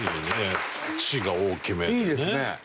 いいですね。